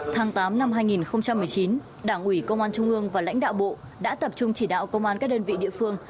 tháng tám năm hai nghìn một mươi chín đảng ủy công an trung ương và lãnh đạo bộ đã tập trung chỉ đạo công an các đơn vị địa phương